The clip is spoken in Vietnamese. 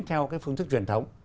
theo cái phương thức truyền thống